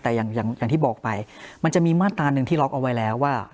แต่อย่างที่บอกไปมันจะมีมาตราหนึ่งที่ล็อกเอาไว้แล้วว่า